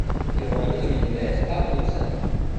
Ils remontent au millénaire avant notre ère.